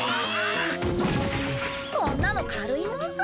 こんなの軽いもんさ。